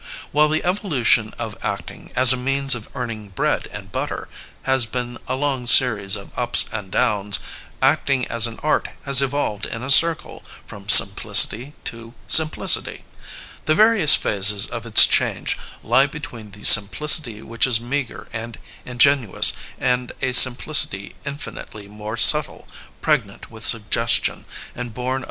While the evolution of acting as a means of earn ing bread and butter has been a long series of ups and downs, acting as an art has evolved in a circle, from simplicity to simplicity. The various phases of its change lie between the simplicity which is meagre and ingenuous and a simplicity infinitely more subtle, pregnant with suggestion and bom of the * The third of a series of articles on the history of the acting pro fession.